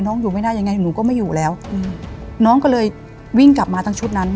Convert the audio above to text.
อยู่ไม่ได้ยังไงหนูก็ไม่อยู่แล้วอืมน้องก็เลยวิ่งกลับมาทั้งชุดนั้น